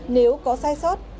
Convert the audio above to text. nếu có sai sót